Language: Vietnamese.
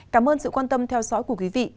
cảm ơn sự quan tâm theo dõi của quý vị